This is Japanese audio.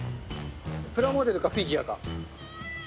プラモデルかフィギュアか。